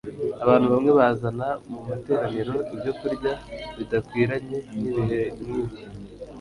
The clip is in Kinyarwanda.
abantu bamwe bazana mu materaniro ibyokurya bidakwiranye n'ibihe nk'ibyo